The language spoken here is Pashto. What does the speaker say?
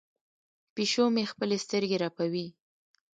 پیشو مې خپلې سترګې رپوي.